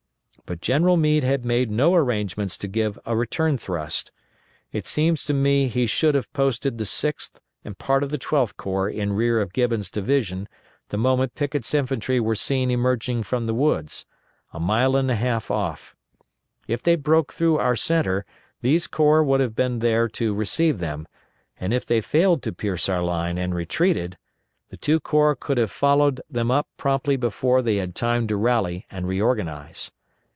But General Meade had made no arrangements to give a return thrust. It seems to me he should have posted the Sixth and part of the Twelfth Corps in rear of Gibbon's division the moment Pickett's infantry were seen emerging from the woods, a mile and a half off. If they broke through our centre these corps would have been there to receive them, and if they failed to pierce our line and retreated, the two corps could have followed them up promptly before they had time to rally and reorganize.